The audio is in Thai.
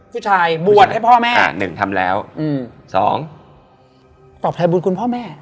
ผู้ชายบวชให้พ่อแม่